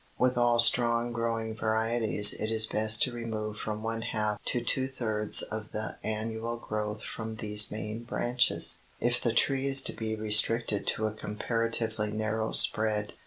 With all strong growing varieties it is best to remove from one half to two thirds of the annual growth from these main branches, if the tree is to be restricted to a comparatively narrow spread.